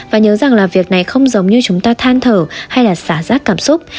và nhớ rằng là việc này không giống như chúng ta than thở hay là xả rác cảm xúc